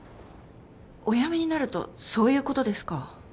おやめになるとそういうことですか？